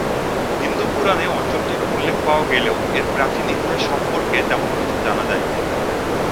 হিন্দু পুরাণে অঞ্চলটির উল্লেখ পাওয়া গেলেও এর প্রাচীন ইতিহাস সম্পর্কে তেমন কিছু জানা যায়নি।